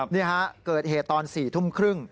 นี่ฮะเกิดเหตุตอน๔ทุ่มครึ่ง